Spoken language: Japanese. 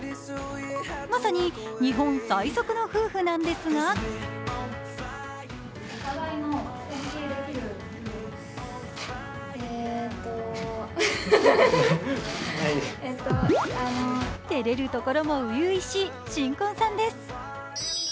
まさに日本最速の夫婦なんですが照れるところも初々しい新婚さんです。